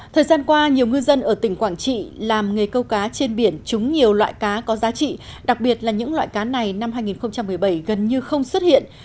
thời gian qua nhiều ngư dân ở tỉnh quảng trị làm nghề câu cá trên biển trúng nhiều loại cá có giá trị đặc biệt là những loại cá này năm hai nghìn một mươi bảy gần như không xuất hiện